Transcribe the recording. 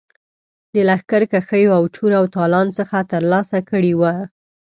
د لښکرکښیو او چور او تالان څخه ترلاسه کړي وه.